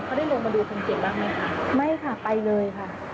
เขาได้ลงมาดูคนเจ็บบ้างไหมคะไม่ค่ะไปเลยค่ะ